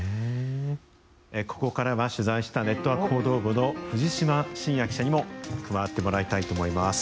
ここからは取材したネットワーク報道部の藤島新也記者にも加わってもらいたいと思います。